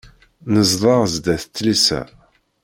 Nezdeɣ sdat tlisa.